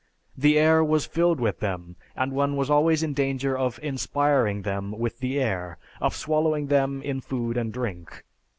The air was filled with them, and one was always in danger of inspiring them with the air, of swallowing them in food and drink.